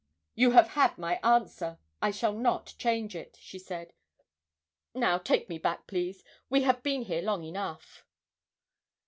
'You have had my answer I shall not change it,' she said: 'now take me back, please, we have been here long enough.'